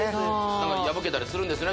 何か破けたりするんですね